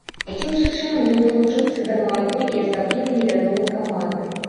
Якім жа чынам ён далучыўся да маладой і асабліва невядомай каманды?